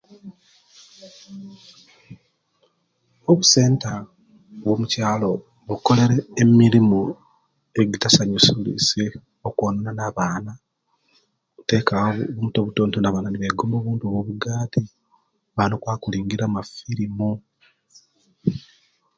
Obusenta obwomukyalo bukolera emirimo ekitansayusilye okwonona abaana butekawo obuntu butonotono abaana begomba buntu bwo bugati abaana okwaba okulingirira amafirimu.